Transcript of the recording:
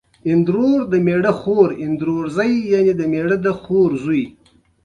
سندره د اوښکو باران ده